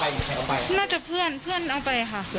รองเท้าน่าจะเพื่อนเอาไปค่ะ